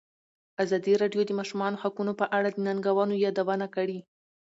ازادي راډیو د د ماشومانو حقونه په اړه د ننګونو یادونه کړې.